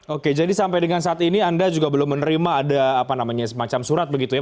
oke jadi sampai dengan saat ini anda juga belum menerima ada apa namanya semacam surat begitu ya